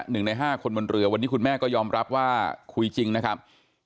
หนึ่งในห้าคนบนเรือวันนี้คุณแม่ก็ยอมรับว่าคุยจริงนะครับ